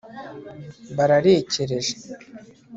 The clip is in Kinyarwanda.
bararekereje